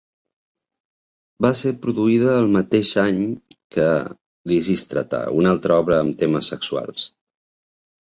Va ser produïda el mateix any que "Lysistrata", una altra obra amb temes sexuals.